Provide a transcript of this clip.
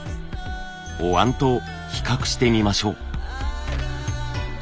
お椀と比較してみましょう。